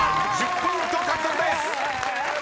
１０ポイント獲得です！］